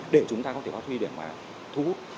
để chúng ta có thể phát huy để mà thu hút